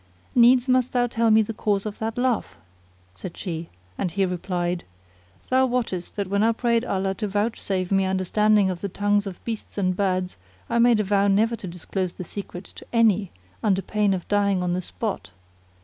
"Needs must thou tell me the cause of that laugh," said she, and he replied, "Thou wottest that when I prayed Allah to vouchsafe me understanding of the tongues of beasts and birds, I made a vow never to disclose the secret to any under pain of dying on the spot."